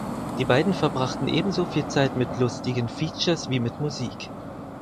Die beiden verbrachten ebenso viel Zeit mit lustigen Features wie mit Musik.